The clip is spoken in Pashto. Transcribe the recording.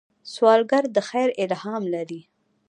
سوالګر د خیر الهام لري